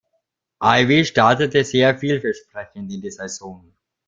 Ivy startete sehr vielversprechend in die Saison.